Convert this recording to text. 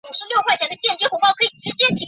现属重庆市。